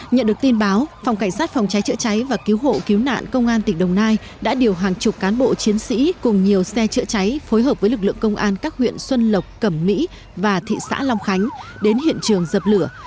nhận được tin báo phòng cảnh sát phòng cháy chữa cháy và cứu hộ cứu nạn công an tỉnh đồng nai đã điều hàng chục cán bộ chiến sĩ cùng nhiều xe chữa cháy phối hợp với lực lượng công an các huyện xuân lộc cẩm mỹ và thị xã long khánh đến hiện trường dập lửa